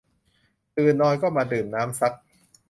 ตื่นนอนมาก็ดื่มน้ำสัก